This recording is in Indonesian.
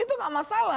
itu tidak masalah